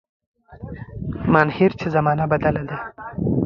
مانهیر چي زمانه بدله ده